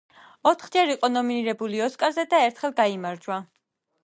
ოთხჯერ იყო ნომინირებული ოსკარზე და ერთხელ გაიმარჯვა.